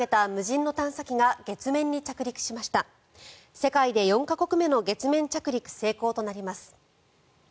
世界で４か国目の月面着陸成功となります。